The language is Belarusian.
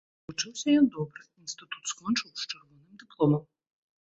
Вучыўся ён добра, інстытут скончыў з чырвоным дыпломам.